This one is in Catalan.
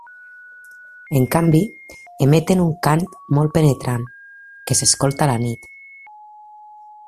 En canvi, emeten un cant molt penetrant, que s'escolta a la nit.